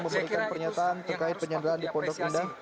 saya kira itu yang harus diapresiasi